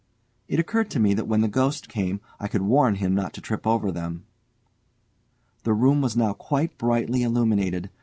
It occurred to me that when the ghost came, I could warn him not to trip over them. The room was now quite brightly illuminated.